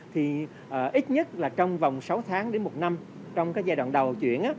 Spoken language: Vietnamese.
thì ít nhất là trong vòng sáu tháng đến một năm trong cái giai đoạn đầu chuyển